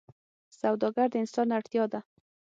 سوالګر د انسان اړتیا ده